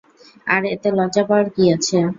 আরে এতে লজ্জা পাওয়ার কি আছে?